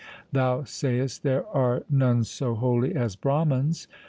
Thou sayest there are none so holy as Brahmans.'